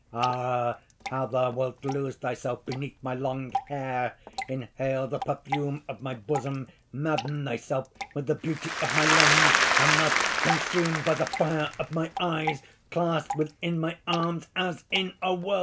Ah! how thou wilt lose thyself beneath my long hair, inhale the perfume of my bosom, madden thyself with the beauty of my limbs: and thus, consumed by the fire of my eyes, clasped within my arms as in a whirlwind...."